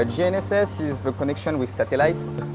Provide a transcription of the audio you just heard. gnss adalah koneksi dengan satelit